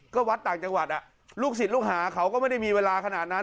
ก็วัดต่างจังหวัดลูกศิษย์ลูกหาเขาก็ไม่ได้มีเวลาขนาดนั้น